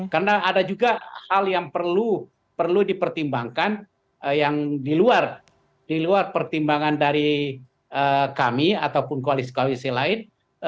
karena ada juga hal yang perlu dipertimbangkan yang di luar pertimbangan dari kami ataupun koalisi koalisi lain